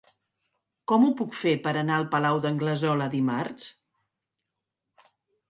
Com ho puc fer per anar al Palau d'Anglesola dimarts?